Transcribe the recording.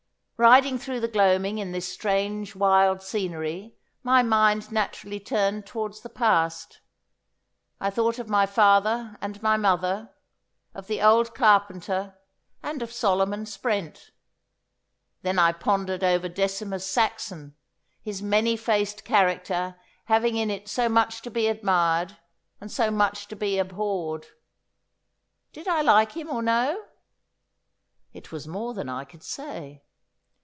Riding through the gloaming in this strange wild scenery my mind naturally turned towards the past. I thought of my father and my mother, of the old carpenter and of Solomon Sprent. Then I pondered over Decimus Saxon, his many faced character having in it so much to be admired and so much to be abhorred. Did I like him or no? It was more than I could say.